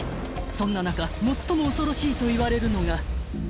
［そんな中最も恐ろしいといわれるのが］